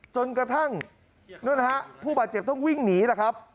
จนกระทั่งนู่นนะฮะผู้บาดเจ็บต้องวิ่งหนีแหละครับ